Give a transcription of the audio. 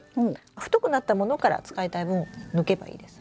太くなったものから使いたい分抜けばいいです。